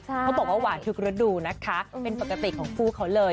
เขาบอกว่าหวานทุกฤดูนะคะเป็นปกติของคู่เขาเลย